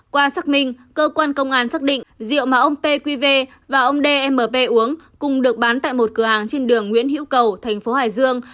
qua xác minh cơ quan công an xác định rượu mà ông pqv và ông dmp uống cùng được bán tại một cửa hàng trên đường nguyễn hữu cầu thành phố hải dương